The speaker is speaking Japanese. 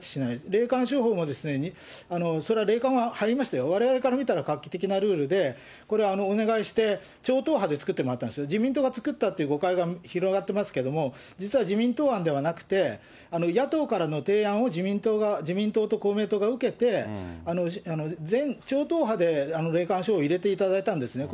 霊感商法も、それは霊感入りましたよ、われわれから見たら、画期的なルールで、これ、お願いして、超党派で作ってもらったんですね、自民党が作ったっていう誤解が広がっていますけれども、実は自民党案ではなくて、野党からの提案を自民党と公明党が受けて、超党派で霊感商法を入れていただいたんですね。